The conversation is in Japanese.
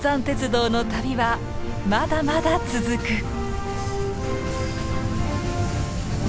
鉄道の旅はまだまだ続く。